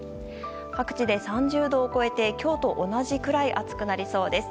各地で３０度を超えて、今日と同じくらい暑くなりそうです。